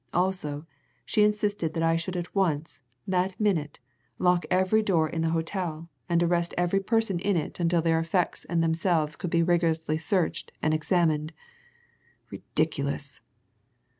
Also, she insisted that I should at once, that minute, lock every door in the hotel, and arrest every person in it until their effects and themselves could be rigorously searched and examined. Ridiculous!"